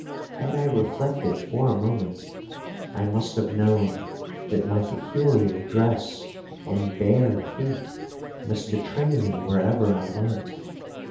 Had I reflected for a moment, I must have known, that my peculiar dress and bare feet must betray me wherever I went.